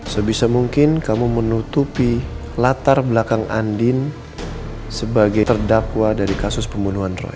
sebisa mungkin kamu menutupi latar belakang andin sebagai terdakwa dari kasus pembunuhan roy